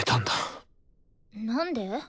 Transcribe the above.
なんで？